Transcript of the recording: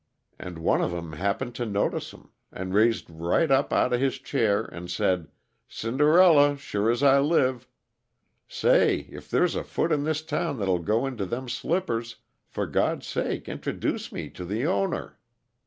And one of 'em happened to notice 'em, and raised right up outa his chair, an' said: 'Cind'rilla, sure as I live! Say, if there's a foot in this town that'll go into them slippers, for God's sake introduce me to the owner!'